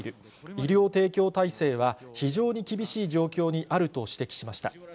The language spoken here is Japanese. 医療提供体制は非常に厳しい状況にあると指摘しました。